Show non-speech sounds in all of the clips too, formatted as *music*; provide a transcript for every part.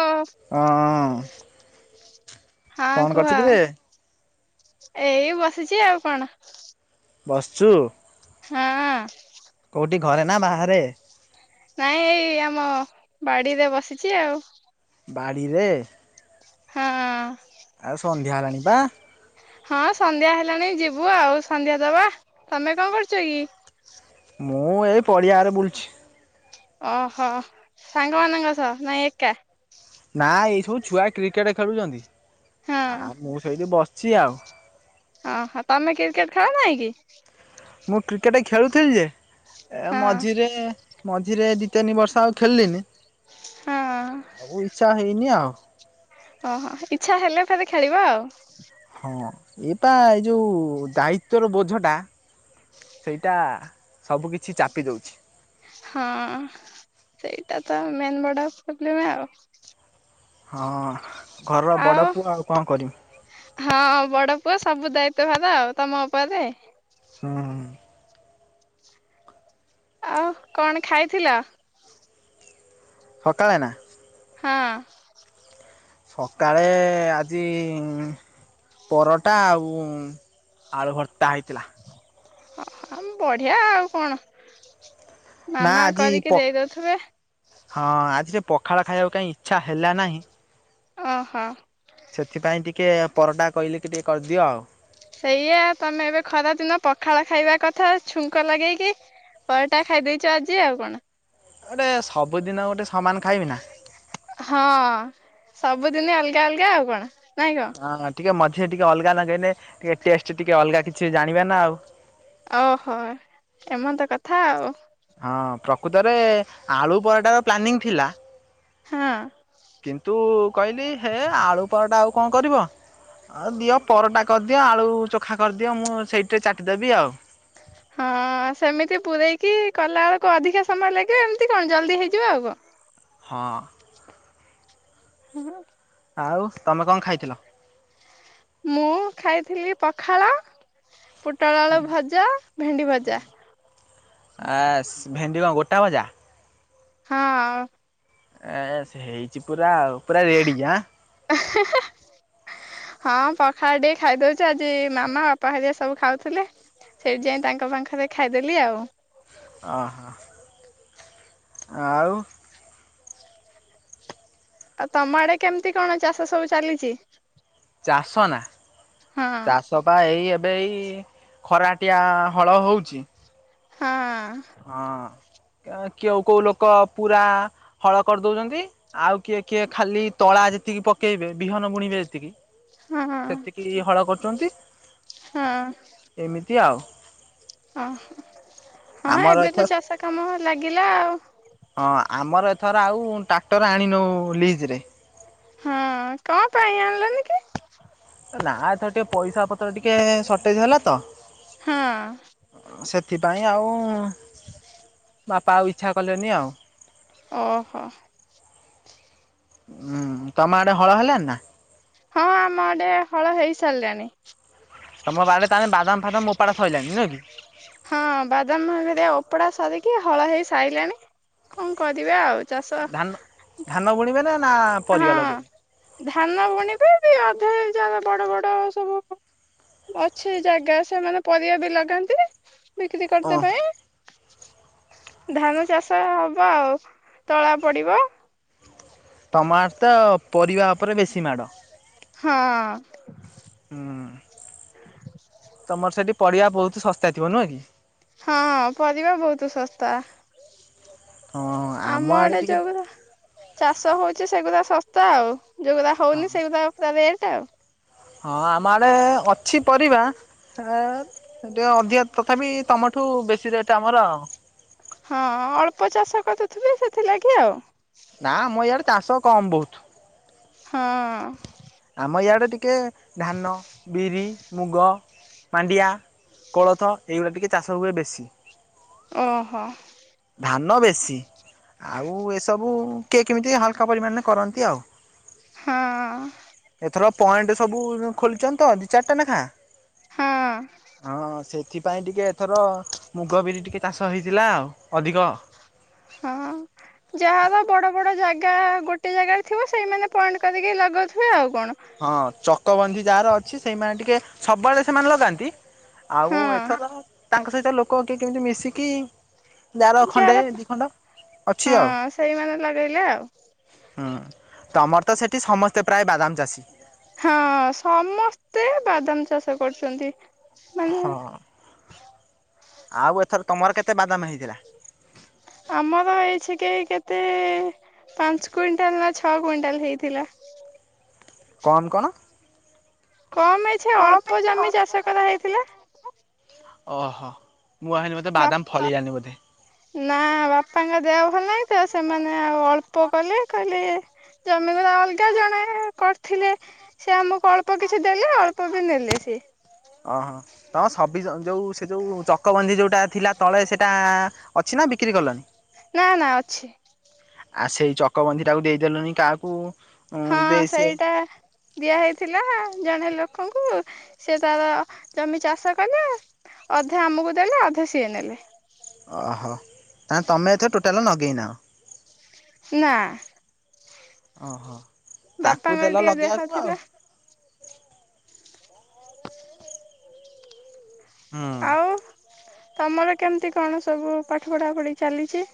ଓ ହଁ ହଁ କଣ କୁହ। କରୁଛୁ କିରେ ଏଇ ବସିଛି ଆଉ କଣ। ବସ୍‌‌ଛୁ। ହଁ। କୋଉଠି ଘରେ ନା ବାହାରେ? ନାଇଁ ଏଇ ଆମ ବାଡିରେ ବସିଚି ଆଉ। ବାଡ଼ିରେ। ହଁ। ଆଉ ସନ୍ଧ୍ୟା ହେଲାଣି ପା। ହଁ ସନ୍ଧ୍ୟା ହେଲାଣି ଯିବୁ ଆଉ ସନ୍ଧ୍ୟା ଦବା। ତମେ କଣ କରୁଛ କି? ମୁଁ ଏଇ ପଡିଆରେ ବୁଲୁଛି। ଓହୋ ସାଙ୍ଗମାନଙ୍କ ସହ ନାଇଁ ଏକା। ନା ଏଇ ସବୁ ଛୁଆ କ୍ରିକେଟ ଖେଳୁଛନ୍ତି। ହଁ ଆଉ ମୁଁ ସେଇଠି ବସିଛି ଆଉ। ଆହ ତମେ କ୍ରିକେଟ ଖେଳ ନାହିଁ କି? ମୁଁ କ୍ରିକେଟ ଖେଳୁଥିଲି ଯେ ଏ ହଁ ମଝିରେ ମଝିରେ ଦି ତିନି ବର୍ଷ ଆଉ ଖେଳିଲିନି ହଁ ଆଉ ଇଚ୍ଛା ହେଇନି ଆଉ। ଓହୋ ଇଚ୍ଛା ହେଲେ କେବେ ଖେଳିବ। ହଁ ଏଟା ଏଇ ଯୋଉ ଦାୟିତ୍ଵର ବୋଝ ଟା ସେଇଟା ସବୁ କିିଛି ଚାପି ଦଉଛି। ହଁ ସେଇଟା ତ ମେନ୍ ବଡ ପ୍ରୋବ୍ଲେମ ଆଉ। ହଁଘରର ବଡ ପୁଅ ଆଉ କଣ କରିମି। ହଁ ବଡ ପୁଅ ସବୁ ଦାୟିତ୍ୱ ଭାର ତମ ଉପରେ। ହଁଁ। ଆଉ କଣ ଖାଇଥିଲ? ସକାଳେ ନା? ହଁ। ସକାଳେ ଆଜି ପରଟା ଆଉ ଆଳୁ ଭର୍ତ୍ତା ହେଇଥିଲା। ଅ ବଢିଆ ଆଉ କଣ। ନା ମାମା ଆଜି କରିକି ପ ଦେଇ ଦଉଥିବେ ହଁ ଆଜି ଟିକେ ପଖାଳ ଖାଇବାକୁ କାଇଁ ଇଚ୍ଛା ହେଲା ନାହିଁ। ଓହୋ। ସେଥିପାଇଁ ଟିକେ ପରଟା କହିଲି ଟିକେ କରିଦିଅ ଆଉ। ସେଇଆ ତମେ ଏବେ ଖରାଦିନ ପଖାଳ ଖାଇବା କଥା ଛୁଙ୍କ ଲଗେଇକି ପରଟା ଖାଇ ଦେଇଛ ଆଜି ଆଉ କଣ। ଗୋଟେ ସବୁଦିନ ଗୋଟେ ସମାନ ଖାଇମି ନାଁ। ହଁ ସବୁଦିନି ଅଲଗା ଅଲଗା ଆଉ କଣ ନାଇଁ କଣ। ହଁ ହଁ ଟିକେ ମଝିରେ ଟିକେ ଅଲଗା ଲଗେଇନେ ଟିକେ ଟେଷ୍ଟ ଟିକେ ଅଲଗା କିଛି ଜାଣିବା ନା ଆଉ। ଓହୋ ଏମନ୍ତ କଥା ଆଉ। ହଁ ପ୍ରକୃତରେ ଆଳୁ ପରଟାର ପ୍ଲାନିଂ ଥିଲା। ହଁ। କିନ୍ତୁ କହିଲି ହେ ଆଳୁ ପରଟା ଆଉ କଣ କରିବ। ହ ଦିଅ ପରଟା କରିଦିଅ ଆଳୁ ଚୋଖା କରିଦିଅ ମୁଁ ସେଇଠିରେ ଚାଟି ଦେବି ଆଉ। ହଁ ସେମିତି ପୂୁରଇକି କଲା ବେଳକୁ ଅଧିକା ସମୟ ଲାଗିବ ଏମିତି କଣ ଜଲ୍ଦି ହେଇଯିବ ଆଉ କଣ। ହଁ। ହ୍ୟାଲୋ। ଆଉ ତମେ କଣ ଖାଇଥିଲ? ମୁଁ ଖାଇଥିଲି ପଖାଳ, ପୋଟଳ ଆଳୁ ଭଜା, ଭେଣ୍ଡି ଭଜା। ଆସ୍ ଭେଣ୍ଡି କଣ ଗୋଟା ଭଜା? ହଁ। ଏ ସ୍ ହେଇଛି ପୁରା ଆଉ ପୁରା ରେଡି ଆଁ। ହେ ହେ। ହଁ ପଖାଳ ଟିକେ ଖାଇଦେଉଛି ଆଜି ମାମା ଅପା ହରିକା ସବୁ ଖାଉଥିଲେ। ସେଇଠି ଯାଇ ତାଙ୍କ ପାଙ୍କରେ ଖାଇଦେଲି ଆଉ। ଅହ ଆଉ? ଆଉ ତମ ଆଡେ କେମତି କଣ ଚାଷ ସବୁ ଚାଲିଛି? ଚାଷ ନା ଚାଷ ବା ଏଇ ଏବେ ଏଇ ଖରାଟିଆ ହଳ ହଉଛି। ହଁ। ହଁ କିଏ କେଉଁ କୋଉ ଲୋକ ପୁରା ହଳ କରିଦଉଛନ୍ତି ଆଉ କିଏ କିଏ ଖାଲି ତଳା ଯେତିକି ପକେଇବେ ବିହନ ବୁଣିବେ ଯେତିକି ହଁ ହଁ ସେତିକି ହଳ କରୁଛନ୍ତି ଏମିତି ଆଉ। ହଁ ହଁ ଆମର ଏବେ ତ ଏଥର ଚାଷ କାମ ଲାଗିଲା ଆଉ। ହଁ ଆମର ଏଥର ଆଉ ଟ୍ରାକ୍ଟର ଆଣି ନଉ ଲିଜ ରେ। ହଁ କଣ ପାଇଁ ଆଣିଲନି କି? ନା ଏଥର ଟିକେ ପଇସା ପତ୍ର ଟିକେ ସର୍ଟେଜ ହେଲା ତ ହଁ। ସେଥିପାଇଁ ଆଉ *inaudible* ବାପା ଆଉ ଇଚ୍ଛା କଲେନି ଆଉ। ଓହୋ। ହମ୍ ତମ ଆଡେ ହଳ ହେଲାଣିି ନା? ହଁ ଆମ ଆଡେ ହଳ ହେଇ ସାରିଲାଣି। ତମ ବାଡରେ ତାହେଲେ ବାଦାମ ଫାଦାମ ଉପାଡ଼ା ସଇଲାଣି ନୁହେଁ କି? ହଁ ବାଦାମ ହେରିକା ଓପାଡ଼ା ସରିକି ହଳ ହେଇ ସାରିଲାଣି କଣ କରିବା ଆଉ। ଚାଷ ଧାନ ଧାନ ବୁଣିବେ ନା ନା ପରିବା ହଁ ଲଗେଇବେ? ଧାନ ବୁଣିବେ ବି ଅଧେ ଜାଗା ବଡ ବଡ ସବୁ ଅଛି ଜାଗା ସେମାନେ ପରିବା ବି ଲଗାନ୍ତି ବିକ୍ରି ଓ କରିତେ ପାଇଁ। ଧାନ ଚାଷ ହବ ଆଉ ତଳା ପଡିବ। ତମ ଆଡେ ତ ପରିବା ଉପରେ ବେଶୀ ମାଡ଼। ହଁ ହୁଁ ତମର ସେଠି ପଡ଼ିଆ ବହୁତ ଶସ୍ତା ଥିବ ନୁହଁ କି? ହଁ ହଁ ପରିବା ବହୁତ ଶସ୍ତା। ଆମ ଆଡେ ଜଉଗୁରା ଚାଷ ହଉଛି ସେଗୁରା ଶସ୍ତା ଆଉ ଯୋଉଗୁଡା ହଁ ହଉନି ସେଗୁଡ଼ା ପୁରା ରେଟ୍ ଆଉ। ହଁ ଆମ ଆଡେ ଅ ଛି ପରିବା କେ ଟିକେ ଅଧିକା ତଥାପି ତୁମଠୁ ବେଶୀ ରେଟ୍ ଆମର ଆଉ। ହଁ ଅଳ୍ପ ଚାଷ କରୁଥିବେ ସେଥିଲାଗି ଆଉ। ନା ମ ଇଆଡେ ଚାଷ କମ ବହୁତ। ହଁ ଆମ ଇଆଡ଼େ ଟିକେ ଧାନ, ବିରି, ମୁଗ, ମାଣ୍ଡିଆ କୋଳଥ ଏଇଗୁଡ଼ା ଟିକେ ଚାଷ ହୁଏ ବେଶୀ। ଓହୋ ଧାନ ବେଶୀ। ଆଉ ଏସବୁ କିଏ କେମିତି ହାଲକା ପରିମାଣରେ କରନ୍ତି ଆଉ। ହଁ ଏଥର ପଏଣ୍ଟ ସବୁ ଖୋଲିଛନ୍ତି ତ ଦି ଚାରିଟା ଲେଖା। ହଁ ହଁ ସେଇଥିପାଇଁ ଟିକେ ଏଥର ମୁଗ, ବିରି ଟିକେ ଚାଷ ହେଇଥିଲା ଆଉ ଅଧିକ। ହଁ ଯାହାର ବଡ ବଡ ଜାଗା ଗୋଟେ ଜାଗାରେ ଥିବ ସେଇମାନେ ପଏଣ୍ଟ କରିକି ଲଗେଉଥିବେ ଆଉ କଣ। ହଁ ଚକବନ୍ଦୀ ଯାହାର ଅଛି ସେଇମାନେ ଟିକେ ସବୁବେଳେ ସେମାନେ ଲଗାନ୍ତି। ଆଉ ହଁ ଏଥର ତାଙ୍କ ସହିତ ଲୋକ କିଏ କେମିତି ମିଶିକି ଯାର ଖଣ୍ଡେ ଯାହାର ଦି ଖଣ୍ଡ ଅଛି ଆଉ। ହଁ ସେଇମାନେ ଲଗେଇଲେ ଆଉ। ହୁଁ ତମର ତ ସେଠି ସମସ୍ତେ ପ୍ରାୟ ବାଦାମ ଚାଷୀ। ହଁ ସମସ୍ତେ ବାଦାମ ଚାଷ କରୁଛନ୍ତି। ମାନେ ହଁ ଆଉ ଏଥର ତମର କେତେ ବାଦାମ ହେଇଥିଲା? ଆମର ଏଇଛି କେ କେତେ ପାଞ୍ଚ କୁଇଣ୍ଟାଲ ନା ଛଅ କୁଇଣ୍ଟାଲ ହେଇଥିଲା। କଣ କଣ? କମ ଅଛି ଅଳ୍ପ ଜମି ଚାଷ କରା ହେଇଥିଲା। ଓହୋ ମୁଁ ଭାବିଲି ବୋଧେ ବାଦାମ ଫଳିଲାଣି ବୋଧେ। ନା ବାପାଙ୍କ ଦେହ ଭଲ ନାହିଁ ତ, ସେମାନେ ଆଉ ଅଳ୍ପ କଲେ କହିଲେ ଜମିଗୁରା ଅଲଗା ଜଣେ କରିଥିଲେ। ସେ ଆମକୁ ଅଳ୍ପ କିଛି ଦେଲେ ଅଳ୍ପ ବି ନେଲେ ସିଏ। ଓହୋ ତ ସବି ଯୋଉ ଯୋଉ ସେ ଯୋଉ ଚକବନ୍ଧି ଯୋଉଟା ଥିଲା ତଳେ ସେଟା ଅଛି ନା ବିକ୍ରି କଲଣି? ନା ନା ଅଛି। ଆଉ ସେଇ ଚକବନ୍ଧି ଟାକୁ ଦେଇଦେଲଣିି କାହାକୁ। ହଁ ଦେ ସିଏ ସେଇଟା ଦିଆ ହେଇଥିଲା ଜଣେ ଲୋକଙ୍କୁ ସେ ତାର ଜମି ଚାଷ କଲା ଅଧା ଆମକୁ ଦେଲେ ଅଧା ସିଏ ନେଲେ। ଓହୋ ତାହେଲେ ତମେ ଏଥିରେ ଟୋଟାଲ ନଗେଇନାଅ। ନା ଓହୋ ତାକୁ ବାପାଙ୍କର ଦେଲ ଟିକେ ଦେହ ଲଗେଇବାକୁ ଆଉ। ଥିଲା *inaudible* ହୁଁ ଆଉ ତମର କେମିତି କଣ ସବୁ ପାଠ ପଢା ପଢି ଚାଲିଚି?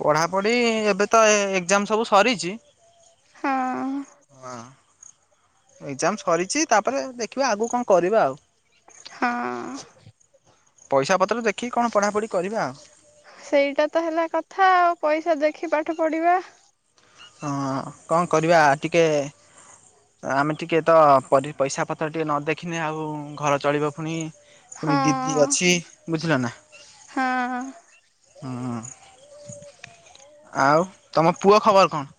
ପଢାପଢି ଏବେ ତ ଏ-ଏକ୍ଜାମ୍ ସବୁ ସରିଚି। ହଁ ହ। ଏକ୍ଜାମ୍ ସରିଚି ତାପରେ ଦେଖିବା ଆଗକୁ କଣ କରିବା ଆଉ। ହଁ। ପଇସା ପତ୍ର ଦେଖିକି କଣ ପଢ଼ାପଢ଼ି କରିବା ଆଉ। ସେଇଟା ତ ହେଲା କଥା ଆଉ ପଇସା ଦେଖି ପାଠ ପଢିବା। ହଁ କଣ୍ କରିବା ଟିକେ ଆମେ ଟିକେ ତ ପରି- ପଇସା ପତ୍ର ଟିକେ ନ ଦେଖିନେ ଆଉ ଘର ଚଳିବ ପୁଣି ପୁଣି ଦିଦି ହଁ ଅଛି ବୁଝିଲ ନା -ହୁଁ। ହ *unintelligible* ଆଉ ତମ ପୁଅ ଖବର୍ କଣ୍?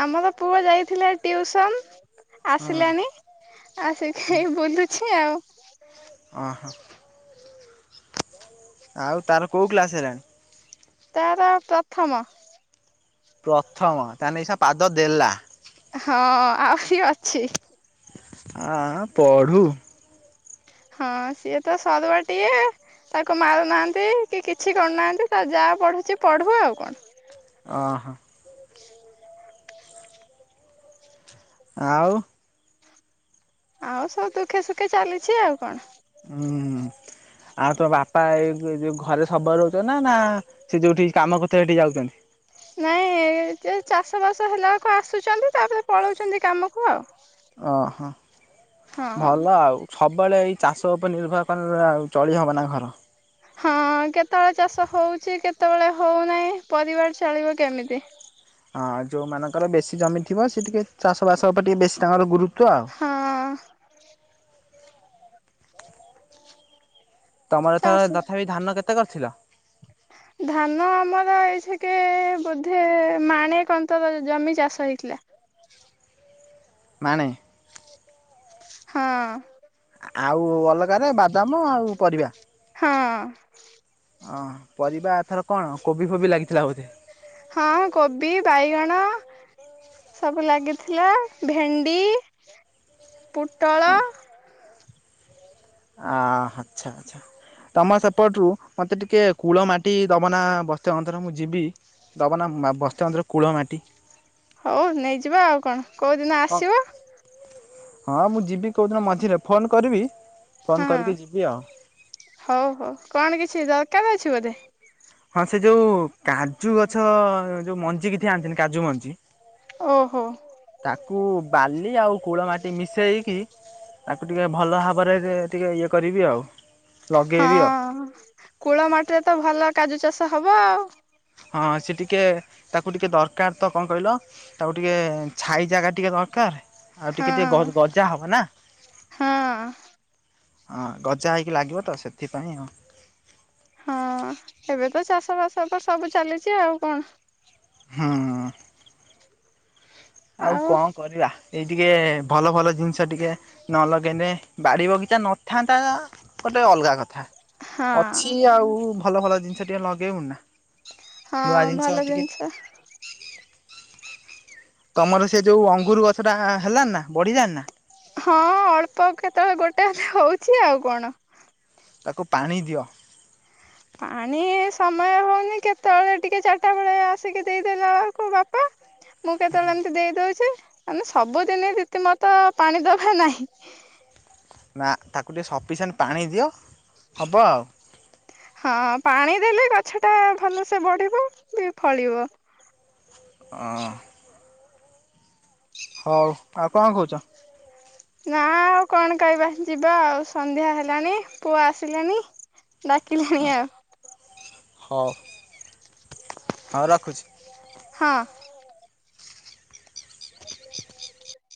ଆମର ପୁଅ ଯାଇଥିଲା ଟ୍ୟୁସନ୍ ହୁଁ ଆସିଲାଣି। ଆସିଖି ଏଇ ବୁଲୁଚି ଆଉ। ଓ ହୋ। ଆଉ ତାର କଉ କ୍ଲାସ୍ ହେଲାଣି? ତାର ପ୍ରଥମ। ପ୍ରଥମ ତାହେନେ ଏସା ପାଦ ଦେଲା। ହଁ ଆହୁରି ଅଛି। ଆଁ -ପଢୁ। ହଁ ସିଏ ତ ସରବାଟିିଆ। ତାକୁ ମାରୁନାହାନ୍ତି କି କିଛି କରୁନାହାନ୍ତି ତା ଯାହା ପଢୁଚି ପଢୁ ଆଉ କଣ। ଓହୋ। *inaudible* ଆଉ। ଆଉ ସବୁ ଦୁଃଖେ ସୁଖେ ଚାଲିଚି ଆଉ କଣ। ଉଁ -ହୁଁ‌। ଆଉ ତୋ ବାପା ଏଇ ଯଉ ଘରେ ସବୁବେଳେ ରହୁଛ ନା- ନା ସେ ଯଉଠି କାମ କରୁଥିଲେ ସେଇଠି ଯାଉଚନ୍ତି? ନାଇଁ ଚାଷ ବାସ ହେଲା ବେଳକୁ ଆସୁଚନ୍ତି ତାପରେ ପଳଉଚନ୍ତି କାମକୁ ଆଉ। ଓହ ହଁ ଭଲ ଆଉ। ସବୁବେଳେ ଏଇ ଚାଷ ଉପରେ ନିର୍ଭର କଲେ ଆଉ ଚଳି ହବ ନା ଘର। ହଁ କେତେବେଳେ ଚାଷ ହଉଚି କେତେବେଳେ ହଉନାଇଁ ପରିବାର ଚଳିବ କେମିତି। ହଁ ଯଉଁମାନଙ୍କର ବେଶୀ ଜମି ଥିବ ସେ ଟିକେ ଚାଷବାସ ଉପରେ ଟିକେ ବେଶୀ ତାଙ୍କର ଗୁରୁତ୍ୱ ଆଉ। ହଁ। ତମର ଏଥର ଚାଷ ତଥାପି ଧାନ କେତେ କରିଥିଲ? ଧାନ ଆମର ଏଇସେକେ ବୋଧେ ମାଣେ କନ୍ତର ଜମି ଚାଷ ହେଇଥିଲା। ମାଣେ? ହଁ। ଆଉ ଅଲଗାରେ ବାଦାମ ଆଉ ପରିବା? ହଁ। ଅଁ -ପରିବା ଏଥର କଣ କୋବି ଫୋବି ଲାଗିଥିଲା ବୋଧେ? ହଁ -କୋବି, ବାଇଗଣ ସବୁ ଲାଗିଥିଲା ଭେଣ୍ଡି, ପୁଟଳ ଆ- ଆଚ୍ଛା ଆଚ୍ଛା। ତମ ସେପଟରୁ ମତେ ଟିକେ କୂଳ ମାଟି ଦବନା ବସ୍ତେ *unintelligible* ମୁଁ ଯିବି। ଦବ ନା ବସ୍ତେ *unintelligible* କୂଳ ମାଟି। ହଉ ନେଇଯିବ ଆଉ କଣ -କଉ ଦିନ ହଁ ଆସିବ? ହଁ ମୁଁ ଯିବି କଉ ଦିନ ମଝିରେ ଫୋନ୍ କରିବି। ଫୋନ୍ ହଁ କରିକି ଯିବି ଆଉ। ହଉ ହଉ କଣ କିଛି ଦରକାର୍ ଅଛି ବୋଧେ? ହଁ ସେ ଯୋଉ କାଜୁ ଗଛ ଯୋଉ ମଞ୍ଜି କିଛି ଆଣିଥିଲି କାଜୁ ମଞ୍ଜି ଓହୋ। ତାକୁ ବାଲି ଆଉ କୂଳ ମାଟି ମିଶେଇକି ତାକୁ ଟିକେ ଭଲ ଭାବରେ ଟିକେ ଇଏ କରିବି ଆଉ। ଲଗେଇବି ଆଉ ହଁ କୂଳ ମାଟିରେ ତ ଭଲ କାଜୁ ଚାଷ ହବ ଆଉ। ହଁ ସେ ଟିକେ ତାକୁ ଟିକେ ଦରକାର ତ କଣ କହିଲ? ତାକୁ ଟିକେ ଛାଇ ଜାଗା ଟିକେ ଦରକାର୍। ଆଉ ଟିକେ ଟିକେ ହଁ ଗ ଗଜା ହବ ନା। ହଁ ହଁ ଗଜା ହେଇକି ଲାଗିବ ତ ସେଥିପାଇଁଁ ଆଉ। ହଁ ଏବେ ତ ଚାଷ ବାସ ତ ସବୁ ଚାଲିଛି ଆଉ କଣ ହଁ। ଆଉ କଣ କରିବା ଏଇ ଟିକେ ଭଲ ଭଲ ଜିନିଷ ଟିକେ ନ ଲଗେଇଲେ ବାଡି ବଗିଚା ନଥାନ୍ତା ଗୋଟେ ଅଲଗା କ ଅଛି ହଁ ଆଉ ଭଲ ଭଲ ଜିନିଷ ଟିକେ ଲଗେଇବୁ ନା। ହଁ ନୂଆ ଜିନିଷ ଭଲ ଟିକେ ଜିନିଷ ତମର ସେ ଯୋଉ ଅଙ୍ଗୁରୁ ଗଛ ଟା ହେଲାଣି ନା ବଢିଲାଣି ନା? ହଁ ଅଳ୍ପ କେତେବେଳେ ଗୋଟେ ହଉଚି ଆଉ କଣ। ତାକୁ ପାଣି ଦିଅ। ପାଣି ସମୟ ହଉନି କେତେବେଳେ ଟିକେ ଚାରିଟା ବେଳେ ଆସିକି ଦେଇଦେଲା ବେଳକୁ ବାପା ମୁଁ କେତେବେଳେ ଏମତି ଦେଇ ଦଉଚି ଆ ସବୁଦିନ ରିତିମତ ପାଣି ଦବା ନାହିଁ। ନା ତାକୁ ଟିକେ ସଫିସେଣ୍ଟ୍ ପାଣି ଦିଅ ହବ ଆଉ। ହଁ ପାଣି ଦେଲେ ଗଛଟା ଭଲସେ ବଢ଼ିବ ବି ଫଳିବ। ଓ। ହଉ ଆଉ କଣ କହୁଚ? ନା ଆଉ କଣ କହିବା ଯିବା ଆଉ ସନ୍ଧ୍ୟା ହେଲାଣି ପୁଅ ଆସିଲାଣିି। ଡାକିଲାଣି ଆଉ। ହଉ -ହଉ ରଖୁଚି। ହଁ। ଆ